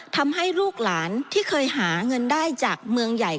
ทำให้ลูกหลานที่เคยหาเงินได้จากเมืองใหญ่